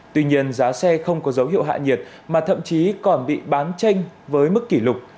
tuy nhiên giá xe không có dấu hiệu hạ nhiệt mà thậm chí còn bị bán tranh với mức kỷ lục